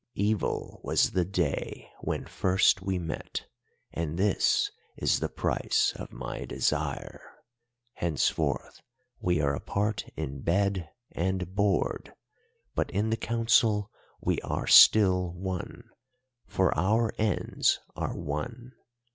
'Evil was the day when first we met, and this is the price of my desire. Henceforth we are apart in bed and board, but in the council we are still one, for our ends are one.